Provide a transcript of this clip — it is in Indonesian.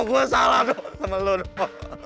gue salah sama lo dok